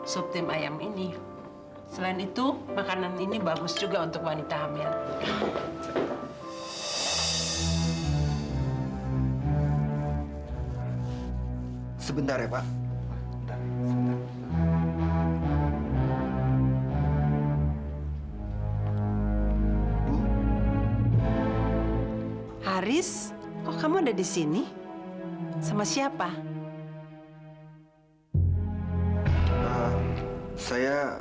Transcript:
sampai jumpa di video selanjutnya